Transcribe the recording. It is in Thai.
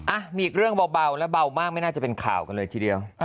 อ่ะมีอีกเรื่องเบาและเบามากไม่น่าจะเป็นข่าวกันเลยทีเดียว